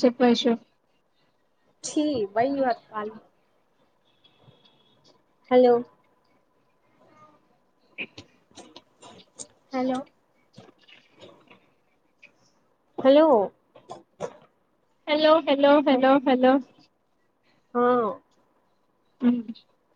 చెప్ ఐషు చీ why you are calling hello ఎ hello hello hello hello hello hello ఆ [unintelligible]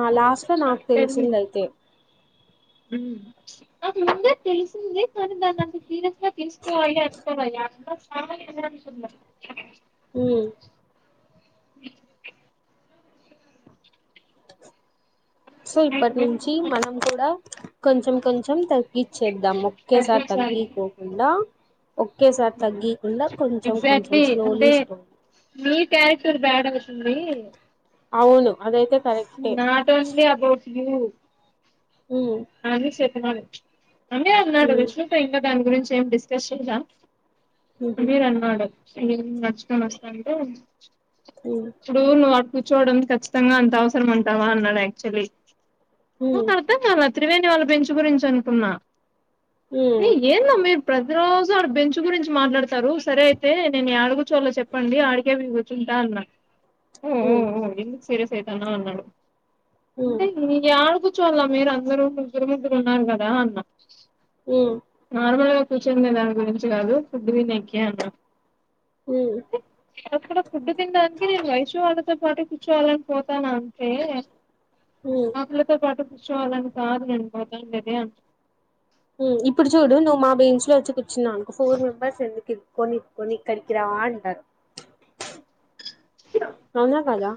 ఆ లాస్ట్ లో నాకు తెలిసిందయితే ఉమ్ నాకు ముందే తెలిసింది కానీ దాన్ని అంత సీరియస్ గాతీసుకో అయ అస్తయ అ ఎ అనుకున్న ఊమ్ [unintelligible] సో ఇప్పటి నుంచి మనం కూడా కొంచెం కొంచెం తక్ తగ్గిచ్చేద్దాం ఒక్కేసారి తగ్గించాలి తగ్గికోకుండా ఒకేసారి తగ్గికుండా కొంచెం కొంచెం స్లోలీ స్లోలీ క్యారక్టర్ బ్యాడ్ అవ దీ అదయితే not only about you um అది చె తినాలి అని అన్నాడు ఉమ్ విష్ణుపై ఇంకా దాని గురించి సేమ్ డిస్కషన్స్ ఆ ఉహు అమీర్ అన్నాడు మీకు [unintelligible] ఉమ్ చూడు నువ్వు కూర్చోవడం ఖచ్చితంగా అంత అవసరం అంటావా అన్నాడు యాక్చువల్లీ ఉమ్ నాకర్థం కాలా త్రివేణి వాళ్ళ బెంచ్ గురించి అనుకున్న ఏ ఎందమ్మే ప్రతి రోజు ఆడ బెంచ్ గురించి మాట్లాడ తరు సరే అయితే నేను యాడ కుచ్చోల్లో చెప్పండి ఆడికే తింటాండ్ర మ్మ్ సీరియస్ అయితాంద అన్నాడు ఉమ్ అంటే [unintelligible] చోల్లా మీరు అందరు ఉక్కిరిబిక్కిరి ఉన్నారు కదా అన్న ఉమ్ నార్మల్ గా [unintelligible] దాని గురించి కాదు ఫుడ్డు తినేకి అన్న ఉమ్ ఉమ్ [inaudible] ఫుడ్ తినడానికి [inaudible] పాటికి కుచ్చోలేక పో తనా అంటే ఉమ్ [unintelligible] పాటు చోలే [unintelligible] గట్టిగా అర్చు ఇప్పుడు చూడు నువ్వు మా బెంచ్ లో వచ్చి కూర్చున్నానుకో ఫోర్ మెంబర్స్ ఎందుకు ఇర్కొని ఇర్కొని ఇక్కడికి రా అంటారు అవునా కాదా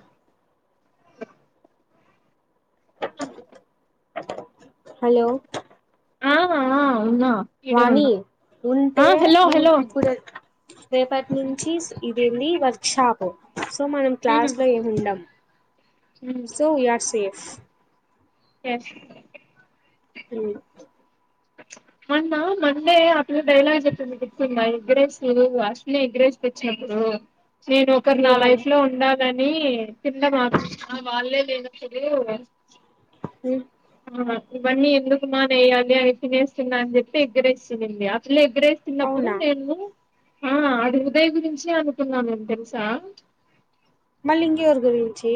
హలో ఆవు ఆవు ఉన్న వాణి ఉంటే హలో ఇప్పుడు రేపటి నుంచి ఇది ఏంది వర్క్ షాప్ సో మనం ఉమ్ క్లాస్ లో ఏముండం um so we are safe ఎస్ మ్మ్ అన్న మండే అట్లో డైలాగ్ చెప్పింది గుర్తుంద ఎగ్రేస్ అశ్విని ఎగ్రేస్ తెచ్చినప్పుడు నేను ఒకరు నా లైఫ్ ఏమని లో ఉండాల దాని [unintelligible] ఆ వాళ్లే లేద్ ఎటు ఉమ్, వాయిన్లో మరి ఆ ఈ బన్ని ఎందుకు మానేయాలి అయి తినేస్తున్నా అన్ చెప్పి ఎగ్ రైస్ తిన్నది అట్లే ఎగ్ రైస్ తిన్నపుడు అవునా నేను ఆ అది ఉమ్, హృదయ్ గురించి అను తిన్నా నేన్ తెలుసా మళ్లి ఇంకెవర్ గురించి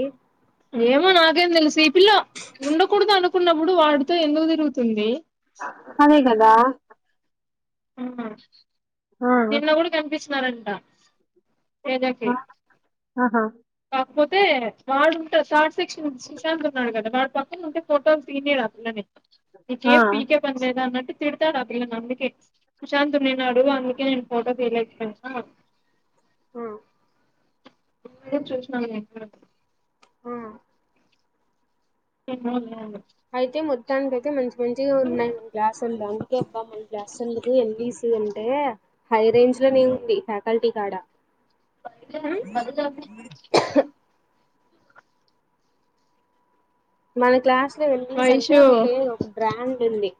ఏమో నాకేం తెలుసు ఈ పిల్ల ఉండకూడదు అనుకున్నప్పుడు వాడితో ఎందుకు తిరుగుతుంది అదే కదా ఉమ్ ఆ నిన్న కూడా కన్పిచ్ మరంటా ఆ ఆహా కాకపోతే వాడుంటే షాట్స్ సెక్షన్ సుశాంత్ ఉన్నాడు కదా వాడ్ పక్ సేల్ ఉంటే ఫొటోల్ తీయనియర్ అట్లనే ఆ నీకేం పీకే పన్లేదా అన్నట్టు తిడ్తాడ్ ఆ పిల్లను అందుకే సుశాంత్ నిన్నడు అందుకే నేను ఫోటో తీలేద్ తెల్సా ఉ ఏ చూష్న నేన్ ఎక్కడ ఆ. తిందోలేదో అయితే మొత్తానికయితే మంచి మంచిగా ఉన్నాయి మీ క్లాస్సులో అందుకే బ మంద్ క్ల సొ మికు ఎల్ బి సి అంటే హై రేంజ్ లోనే ఉంది ఫ్యాకల్టీ కాడా పర్లే పర్లేదని మన క్లాస్ సో ఎల్ఇస్ అంటే వైషు ఒక పేరు ఒక brand Delhi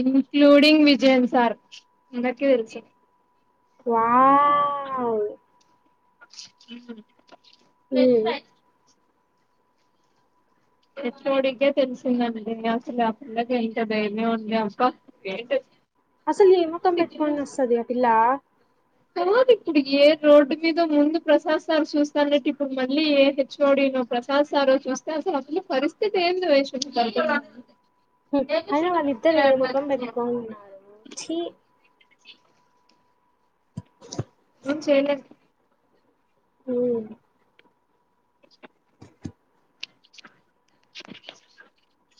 including Vijayan sir ఎందర్కి అల్సొ వావ్ మ్మ్ ఉమ్ తెల్సై హెచ్ ఒ డి కే తెలిసిందండి అసల ఆ పిల్లకి ఎంత ధైర్యమండి అసల్ అసలు ఏ మోకం బెట్టుకొని ఒస్తది ఆ పిల్లా. పోదు ఇప్పుడికి ఏ రోడ్డు మీదొ ముందు ప్రసాద్ సార్ చూస్తాన్నట్టు ఇప్పుడు మళ్ళీ ఏ హెచ్ఓడినో, ప్రసాద్ సారో చూస్తే అసలా పిల్ల పరిస్థితెంది వైష్ణ.? [unintelligible] హ్మ్ అయినా వాళ్ళిద్దరు ఏమొకం పెట్టుకొనున్నారు! చీ. చేయలేం ఊఊ. [unintelligible] [unintelligible]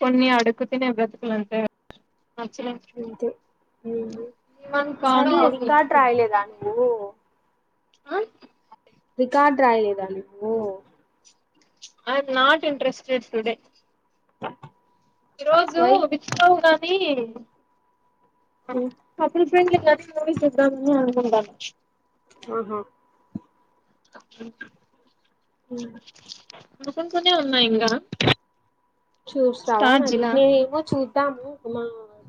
కొన్ని అడుక్కుతినే బ్రతుకులంతే. అంతే. ఊహ్మ్ వన్ కాన్ సర్లే, రికాడ్రాయలేదా నువ్వు? ! ఆ. రికాడ్రాయ్లేదా నువ్వు? I'm not interested today. ఈరోజు వై మిస్సవ్వు గానీ, ఉమ్ కపుల్ ఫ్రెండ్లీ [inaudible] మూవీ చూద్దామనీ. [unintelligible] ఆహా. ఉమ్ అనుకుంటూనే ఉన్న ఇంగా. చూస్తావా నా స్టార్ట్ జిలా కిడ్నీ ఎమో చూ. తాము, మా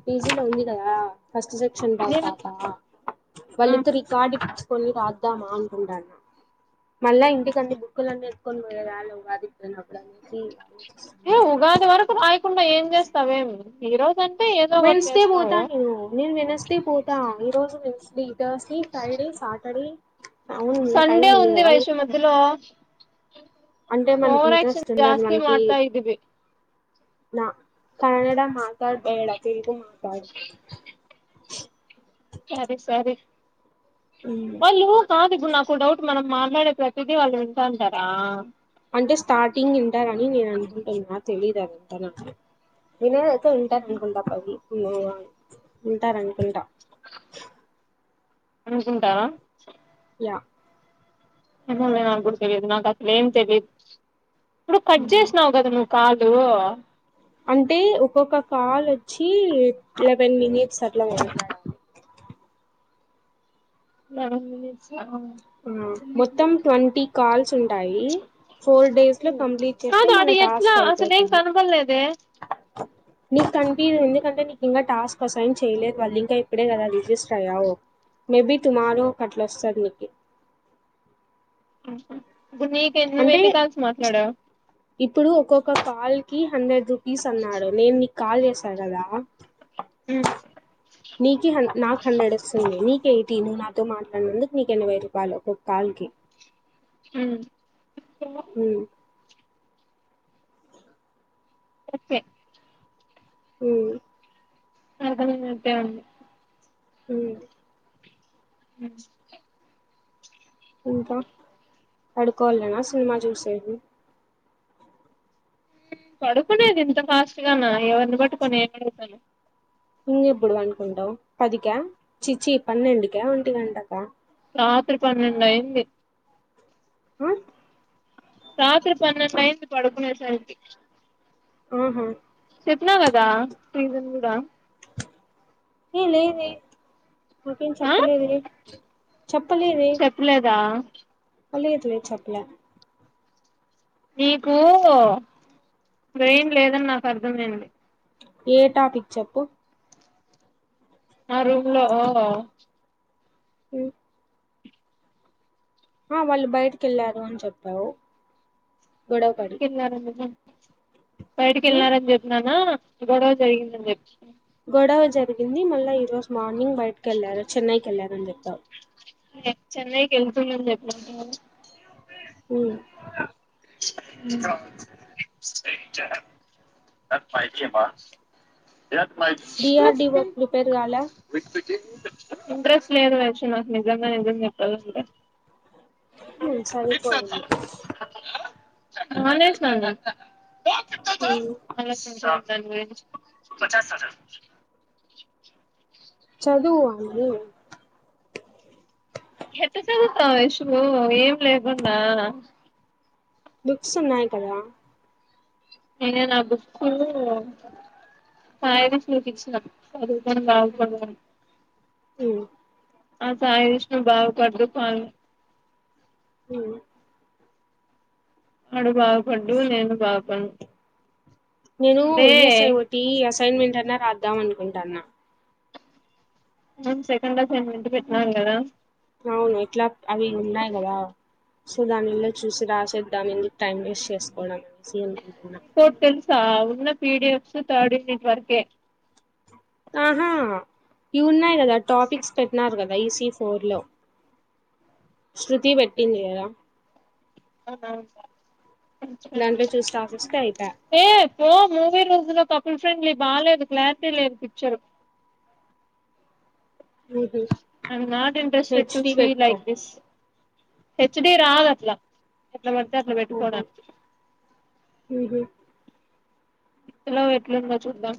పీజీలో ఉంది గదా. ! ఫస్ట్ సెక్షన్ బా నేను పాపా ఆ వాళ్లిదరికి కార్డు ఇచ్చ్. ఫుల్ రాద్దామా అన్కుంటాన్న. మళ్ళా ఇంటికీ అన్ని బుక్కులన్నెత్కొన్ పోయే [unintelligible] అప్పుడు అనేసి ఏ ఆలోచిస్తున్నా. ఉగా. ఇంత వరకు రాయకుండా ఏం జేస్తావేం, ఈరోజం వెన్సుడే బోతా నేను, నేను వెనస్డే పోతా ఈ రోజు Wednesday. Thursday, Friday, Saturday. అవును ఇంకా టైం సండే ఉంది కదా వైషు మధ్యలో. అంటే ఓవర్ యాక్షన్ మనకింట్రెస్ట్ ఉండదు జాస్తి మనకీ. మాడ్తా ఇదివి నా కన్నడ మతాడ్ బేడా తెలుగు మా. టాయీ. క్యబిడ్స్ స్వారీ. వాళ్ళు, కాదు ఇప్పుడు నాకొ డౌట్ మనం మా. మేడమ్ ప్రతిదీ వాళ్ళీంటాంటారా!? అంటే స్టార్టింగ్ వింటారని నేను అనుకుంటున్నా తెలియదు మో తనకు వినేదైతే వింటారనుకుంటరబ్బ అవి ఊమ్మ్ ఆ ఉంటారనుకుంటా అనుకుంటారా యా ఇప్పుడు నేను నాగ్గూడ తెలీదు నాకసలేం తెలీదు ఇప్పుడు కట్ చేసినావు కదా నువ్వు కాల్ నువ్వు అంటే ఒక్కొక్క కాల్ వచ్చి లెవెన్ మినిట్స్ అట్లా ఉంటాయా లెవెన్ మినిట్స్ మొత్తం ట్వంటీ కాల్స్ ఉంటాయి. ఫోర్ డేస్ లో కంప్లీట్ చేస్తే కాదు ఆడ మన ఎట్లా టాస్క్ అసలు ఏం అయిపోతుంది. కనపడలేదే నీక్కనిపీయదు ఎందుకంటే నీకింగా టాస్క్ అసైన్ చేయలేదు వాళ్ళు ఇంకా ఇప్పుడే కదా రిజిస్టర్ అయ్యావ్. మేబీ టుమారో అట్ల వస్తది నీకి హూ ఇప్పుడు నీకు నువ్వెన్ని కాల్స్ మాట్లాడావ్ ప్పుడు ఒక్కొక్క కాల్ కి హండ్రెడ్ రూపీస్ అన్నాడు నేను నీకు కాల్ చేస్ పగలా? మాట్లాడావు నీకీ హన్ నాకు హండ్రెండ్ వస్తోంది నీక్ ఎయ్ తిను నాతో మాట్లాడినందుకు నీకు ఎనబై రూపాయలు ఒక్కొ కాల్కి. హ్మ్ హ్మ్ కరక్టే హ్మ్ అర్థమైనట్టే ఉంది. హ్మ్ హ్మ్ ఇంకా హ్మ్ పడుకునేది ఇంత ఫాస్ట్ గానా ఎవర్ని పట్టుకొని ఏటడుగుతున్నావ్ ఇంకెప్పుడు పండుకుంటావు పదికా చీ చీ పన్నెండుకా ఒంటి గంటకా? రాత్రి పన్నెండు అయింది. హ రాత్రి పన్నెండైంది పడుకునేసరికి ఆహ చెప్పినా కదా రీజన్ కూడా ఏ లేదే నాకేం ఆ చెప్పలేదే, చెప్పలేదే చెప్పలేదా ఆ లేదులే చెప్పలా నీకూ ఇప్పుడేం లేదన్నావ్ అర్థమయింది ఏ టాపిక్ చెప్పు ఆ రూమ్ లో ఓ హు ఆ వాళ్ళు బయటికి వెళ్ళారు అని చెప్పావు గొడవ పడి బయటికి వెళ్లారు నిజం బయటకి ఉమ్ వెళ్నారని చెప్పినాన గొడవ జరిగింది అని చెప్పినా గొడవ జరిగింది మళ్ళా ఈ రోజు మార్ న్నింగ్ బయటకి ఎళ్ళారు చెన్నైకి ఎళ్ళారు అండి టా చెన్నైకి ఎళ్తున్నాం చెప్పినారు అంట కదా ఊ [unintelligible] [unintelligible] డిఆర్డిఓ ప్రిపేర్ కాలా ఇంట్రెస్ట్ లేదు వే చిన్న నిజంగా నిజం చెప్పాలంటే ఉమ్ సదుకో నువ్వు తా ఆలోచించుదు దాని పెంచు చదువ్వు వా మళ్ళీ ఎట్లా చదుత్తావ్ ఐషు ఏం లేకుండా బుక్స్ ఉన్నాయి కదా ఏ నా బుక్కు ఆ ఉమ్ ఏది స్లూకించినా చదుకొని బాగు పాడు ఊ ఆ సాయి యశ్వంత్ బాగు పడు పాడు ఉమ్ ఆడు బాగు పడూ నేను బాగ పడను నేనూ ఈఎస్ ఐ ఒకటీ ఏస్ అసైన్మెంట్ అన్నా రాద్దాం అనుకుంటాన్న మనం సెకండ్ అసైన్మెంట్ పెట్నాం కదా అవును ఎట్లా అవి ఉన్నాయి కదా సో దాన్ని ఇల్లే చూసి రాసేద్దాం ఎందుకు టైం వేస్ట్ చేసుకోవడం అని సేమ్ అనుకుంటున్నా ఆ ఉన్న పిడిఎఫ్స్ థర్డ్ యూనిట్ వర్కే ఆహా ఇఉన్నాయి కదా టాపిక్స్ పెట్టినారు కదా ఈ ఫోర్లో శృతీ పెట్టింది కదా అవున సరే దాంట్లో చూసి రాసేస్తే అయిపా ఏ పో మూవి రూల్స్ లో పప్ స్కూల్ ఫ్రెండ్లీ బాలేదు క్లారిటీ లేదు picture I am not interested H two D C పెట్టుకో లైక్ థిస్ హెచ్ డి రాదు అట్లా ఎట్లా పెడితే అట్లా ఓహో పెట్టుకోడానికి ఇలా ఎట్లుందో చూద్దాం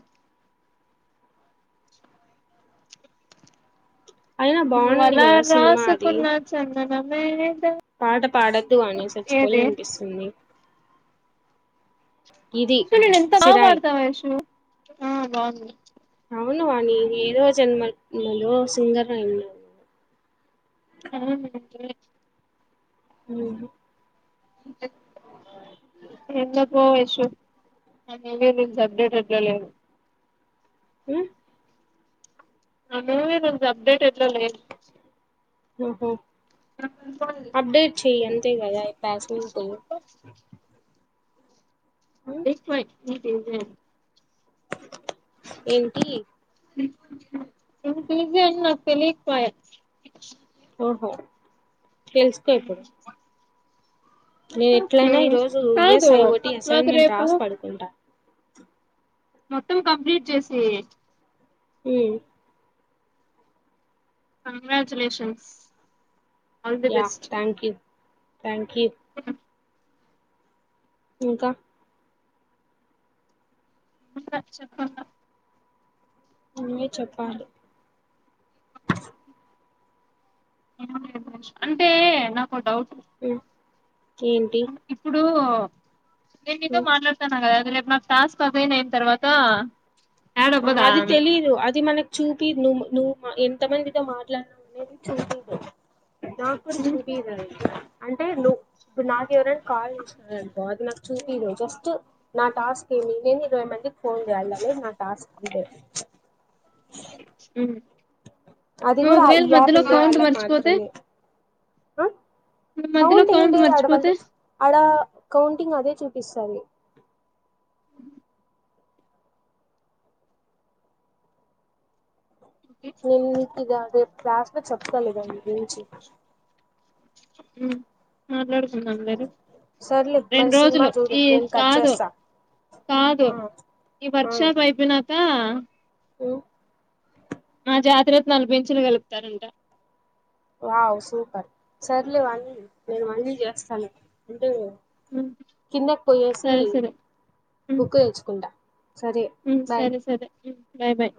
అయినా బాగుంది వల కదా సినిమా అది రాసుకున్నాచ్చ అ [unintelligible] పాట పాడొద్దు కానీ చచ్చిపోలు అనిపిస్తుంది ఇది ో న ఎంత సిరాయి పాడుతా వైషూ ఆ బాగుంది అవును వాణి ఏదో జన్మలో సింగర్ అయిన్నా ఆ ఉ ఎందుకు పో వైషూ [unintelligible] హ నువేం అప్డేట్ అయితే ఓహో అప్డేట్ చే్యను [unintelligible] పస్లుంట ఎపోయి [unintelligible] ఏమింటి జ నాకు తెలికుపోయా ఓహో తెలుసుకో ఇప్పుడు నేను ఓకే ఎట్లయినా ఈ రోజు కాదు ఈఎస్ఐ ఒకటి నాకు అసైన్మెంట్ రేపు రాసి పడుకుంటాను మొత్తం కంప్లీట్ చేసి హ congratulations all the yeah best thank you thank you ఇంకా చెప్పాలా నువ్వే చెప్పాలి అంటే నాకొ డౌట్ హ్మ్ ఏంటి ఇప్పుడు ఇప్పుడు నేను నితో హ్మ్ మాట్లాడతానగదా రేపు మన టాస్క్ అదే నైన్ తరువాత త అది తెలీదు అది మనకు చూపిరు నువ్ నువ్వు మా ఎంత మందితో మాట్లాడినావు అనేది చూసిండవ్ దా కూడాడు ఉమ్. చూడద [unintelligible] అంటే నువు ఇప్పుడు నాకు ఎవరైనా కాల్ చేసినారనుకో అది నాకు చూపిదు జస్ట్ నా టాస్క్ ఏమి నేను ఇరవై మందికి ఫోన్ చేయాలే అనేదే నాకు స్ [unintelligible] ఉ అది కూడా ఈ యాప్ ఉండే వాళ్ళకు మర్చిపోతే మాత్రమే ఆ నువ్వు మధ్యలో కౌంట్ ఏం లేదు అడ వాళ్ళు మర్చిపోతే అడ కౌంటింగ్ అదే చూపిస్తాంది నిల్కుది కాదు క్లాస్ లో చెప్పకోలేద నీ గురించి అ మాట్లాడుకుందాం లే రా సర్లే రెండు మరి సినిమా రోజులు చూడు ఈ నేను కట్ కాదు చేస్తా కాదు ఆ ఈ వర్కుషాప్ అయిపోయిన ఆ ఆ మా జాతి రత్నాలు బెమ్చులు కలుపుతారంట వావ్ సూపర్ సర్లే వాణి నేను మళ్ళీ చేస్తాను అంటే ఉమ్, కిందకి పోయేసి సరే సరే ఉమ్, బుక్కు తెచ్చుకుంటా సరే బాయ్ సరే సరే బై బై